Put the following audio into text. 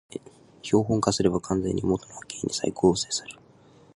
標本化すれば完全に元の波形に再構成される